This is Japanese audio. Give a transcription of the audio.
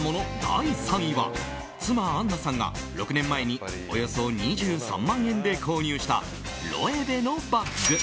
第３位は妻あんなさんが６年前におよそ２３万円で購入したロエベのバッグ。